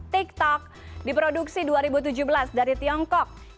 tiktok di produksi dua ribu tujuh belas dari tiongkok